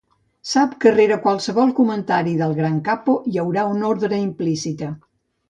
Sap que rere qualsevol comentari del gran capo hi ha una ordre implícita.